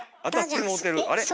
あれ？